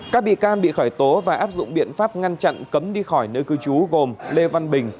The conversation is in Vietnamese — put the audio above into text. các bị can bị khởi tố và áp dụng biện pháp ngăn chặn cấm đi khỏi nơi cư trú gồm lê văn bình